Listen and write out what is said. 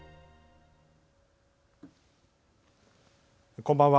こんばんは。